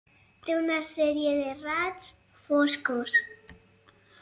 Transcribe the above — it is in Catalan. Té una sèrie de raigs foscos.